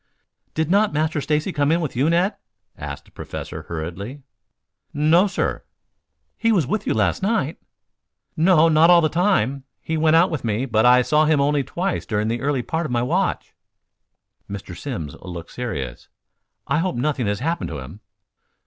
"Did not Master Stacy come in with you, Ned?" asked the Professor hurriedly. "No, sir." "He was with you last night?" "No, not all the time. He went out with me, but I saw him only twice during the early part of my watch." Mr. Simms looked serious. "I hope nothing has happened to him.